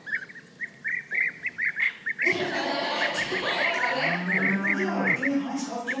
やっぱね。